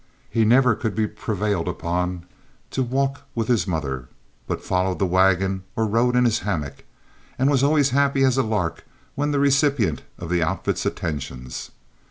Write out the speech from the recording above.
He never could be prevailed on to walk with his mother, but followed the wagon or rode in his hammock, and was always happy as a lark when the recipient of the outfit's attentions.